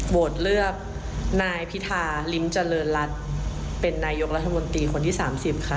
โหวตเลือกนายพิธาลิ้มเจริญรัฐเป็นนายกรัฐมนตรีคนที่๓๐ค่ะ